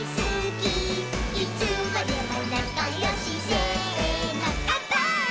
「いつまでもなかよしせーのかんぱーい！！」